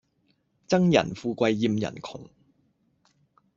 憎人富貴厭人窮